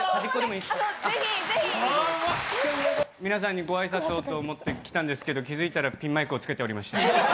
皆さんにごあいさつをと思って来たんですけど、気づいたらピンマイクを付けておりました。